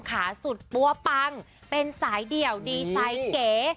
ขาสุดปัวปังเป็นสายเดี่ยวดีสายเก๋